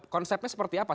konsepnya seperti apa